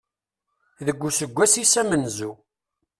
Deg useggas-is amenzu.